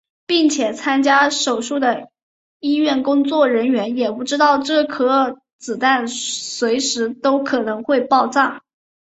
并且参加手术的医院工作人员也不知道这颗子弹随时都可能会爆炸。